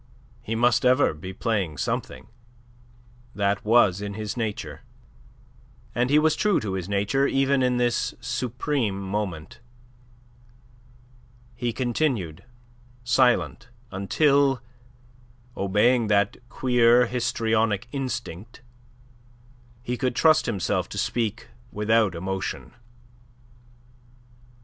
He must ever be playing something. That was in his nature. And he was true to his nature even in this supreme moment. He continued silent until, obeying that queer histrionic instinct, he could trust himself to speak without emotion.